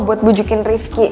buat pujukin rivki